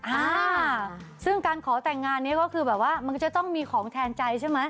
อ่าซึ่งการขอแต่งงานนี้ก็คือแบบว่ามันก็จะต้องมีของแทนใจใช่ไหม